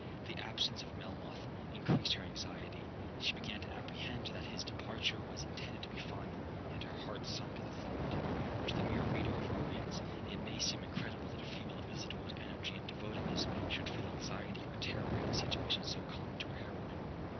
The absence of Melmoth increased her anxiety. She began to apprehend that his departure was intended to be final, and her heart sunk at the thought. 'To the mere reader of romance, it may seem incredible that a female of Isidora's energy and devotedness should feel anxiety or terror in a situation so common to a heroine.